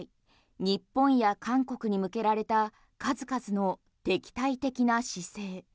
日本や韓国に向けられた数々の敵対的な姿勢。